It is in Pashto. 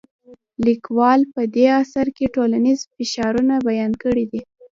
لیکوال په دې اثر کې ټولنیز فشارونه بیان کړي دي.